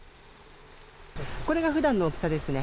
これがふだんの大きさですね。